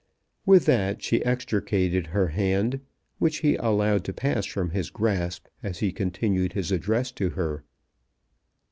With that she extricated her hand, which he allowed to pass from his grasp as he continued his address to her.